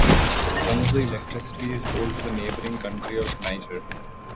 Some of the electricity is sold to the neighbouring country of Niger.